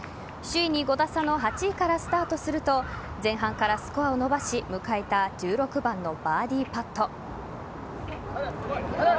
首位に５打差の８位からスタートすると前半からスコアを伸ばし迎えた１６番のバーディーパット。